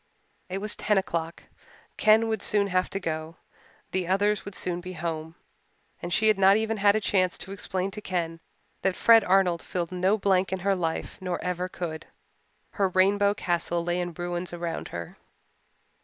It was ten o'clock. Ken would soon have to go the others would soon be home and she had not even had a chance to explain to Ken that Fred Arnold filled no blank in her life nor ever could. Her rainbow castle lay in ruins round her.